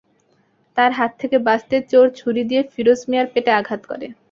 তাঁর হাত থেকে বাঁচতে চোর ছুরি দিয়ে ফিরোজ মিয়ার পেটে আঘাত করে।